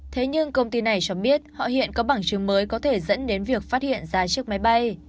thế nhưng công ty này cho biết họ hiện có bằng chứng mới có thể dẫn đến việc phát hiện ra chiếc máy bay